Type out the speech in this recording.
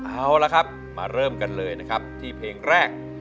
เอาละครับมาเริ่มกันเลยนะครับที่เพลงแรก